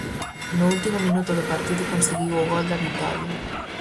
No último minuto do partido conseguiu o gol da vitoria.